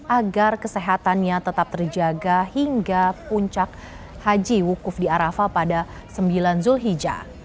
agar kesehatannya tetap terjaga hingga puncak haji wukuf di arafah pada sembilan zulhijjah